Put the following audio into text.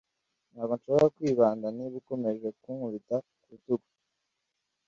Ntabwo nshobora kwibanda niba ukomeje kunkubita ku rutugu.